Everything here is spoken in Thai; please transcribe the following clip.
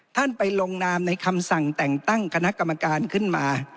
ท่านไปลงนามในคำสั่งแต่งตั้งคณะกรรมการขึ้นมา